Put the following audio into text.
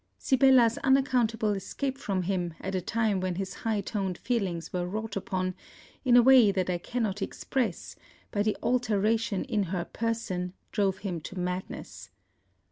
Sibella's unaccountable escape from him at a time when his high toned feelings were wrought upon, in a way that I cannot express, by the alteration in her person, drove him to madness.